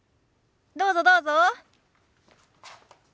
どうぞどうぞ。